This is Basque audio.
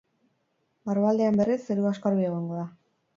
Barrualdean, berriz, zerua oskarbi egongo da.